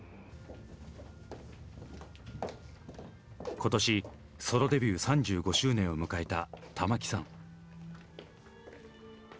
今年ソロデビュー３５周年を迎えた玉置さん。